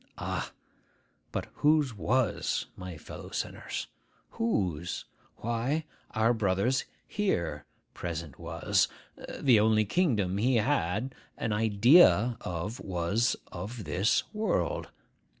Ah! but whose was, my fellow sinners? Whose? Why, our brother's here present was. The only kingdom he had an idea of was of this world.